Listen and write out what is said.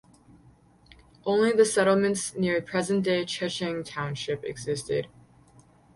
Only the settlements near present-day Checheng Township existed.